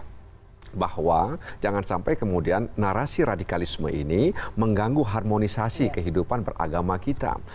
tapi bahwa jangan sampai kemudian narasi radikalisme ini mengganggu harmonisasi kehidupan beragama kita